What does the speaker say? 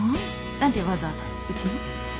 何でわざわざうちに？